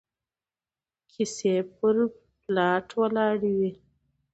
کيسې پر پلاټ ولاړې وي